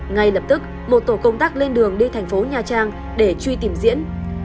ngay lập tức một tổ công tác lên đường đi thành phố nha trang để truy tìm diễn